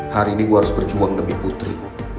hari ini gue harus berjuang demi putri